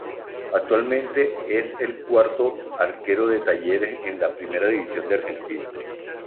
Actualmente es el cuarto arquero de Talleres en la Primera División de Argentina.